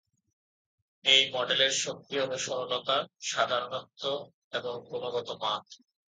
এই মডেলের শক্তি হল সরলতা, সাধারণত্ব এবং গুণগত মান।